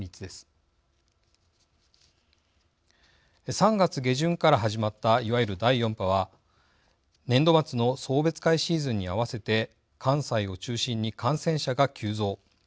３月下旬から始まったいわゆる第４波は年度末の送別会シーズンに合わせて関西を中心に感染者が急増。